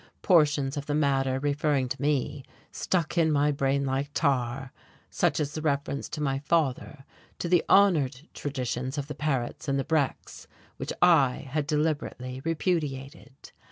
Portions of the matter referring to me stuck in my brain like tar, such as the reference to my father, to the honoured traditions of the Parets and the Brecks which I had deliberately repudiated.